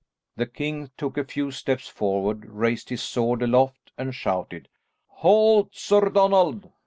The king took a few steps forward, raised his sword aloft and shouted, "Halt, Sir Donald!"